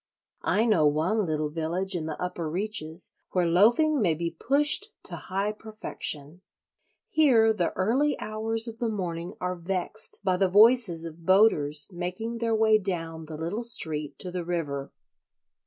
I know one little village in the upper reaches where loafing may be pushed to high perfection. Here the early hours of the morning are vexed by the voices of boaters making their way down the little street to the river.